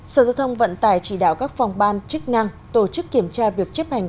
sở giao thông vận tải chỉ đạo các phòng ban chức năng tổ chức kiểm tra việc chấp hành